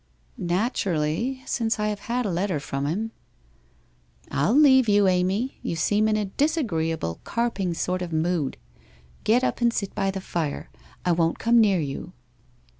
' Naturally, since I have had a letter from him.' ' 111 leave you, Amy. You seem in a disagreeable, carping sort of mood. Get up and sit by the fire. I won't come near you.'